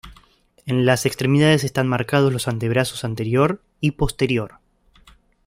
En las extremidades están marcados los antebrazos anterior y posterior.